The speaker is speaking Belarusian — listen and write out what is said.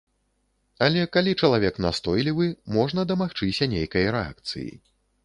Але калі чалавек настойлівы, можна дамагчыся нейкай рэакцыі.